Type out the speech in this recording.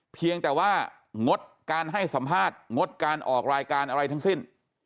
เพียงแต่ว่างดการให้สัมภาษณ์งดการออกรายการอะไรทั้งสิ้น